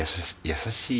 優しい？